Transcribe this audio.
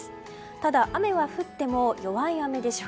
ただ、雨は降っても弱い雨でしょう。